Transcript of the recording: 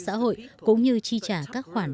xã hội cũng như chi trả các khoản